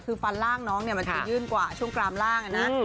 คือฟันล่างน้องเนี่ยมันจะยื่นกว่าช่วงกรามล่างนะ